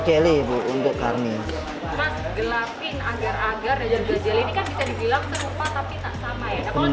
air hangat atau air dingin